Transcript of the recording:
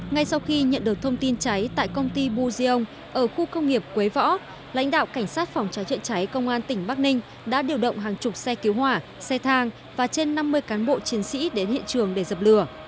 ngay sau khi nhận được thông tin cháy tại công ty bu diong ở khu công nghiệp quế võ lãnh đạo cảnh sát phòng cháy chữa cháy công an tỉnh bắc ninh đã điều động hàng chục xe cứu hỏa xe thang và trên năm mươi cán bộ chiến sĩ đến hiện trường để dập lửa